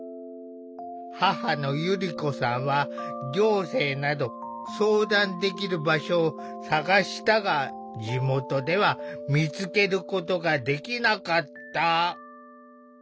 母のゆりこさんは行政など相談できる場所を探したが地元では見つけることができなかった。